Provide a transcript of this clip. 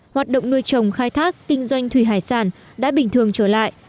hoạt động nuôi trồng khai thác kinh doanh thủy hải sản đã bình thường trở lại